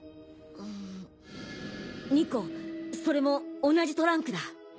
うん２個それも同じトランクだ。